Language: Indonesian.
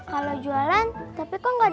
kalau jualan tapi kok gak ada gerobak